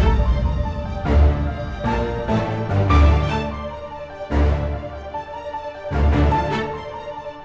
iya jadi ilang juga is pronoun